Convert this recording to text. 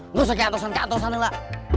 nggak usah keantusan keantusan jela